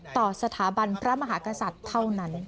ต่อสถาบันพระมหากษัตริย์เท่านั้น